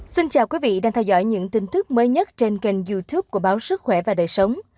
xin chào quý vị đang theo dõi những tin tức mới nhất trên kênh youtube của báo sức khỏe và đời sống